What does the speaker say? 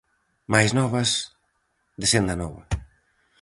Máis novas de Senda Nova.